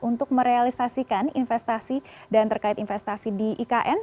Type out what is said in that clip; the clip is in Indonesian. untuk merealisasikan investasi dan terkait investasi di ikn